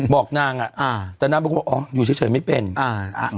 บอกนางอ่ะอ่าแต่นางบอกว่าอ๋ออยู่เฉยเฉยไม่เป็นอ่าอ่า